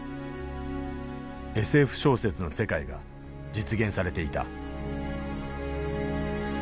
ＳＦ小説の世界が実現されていた。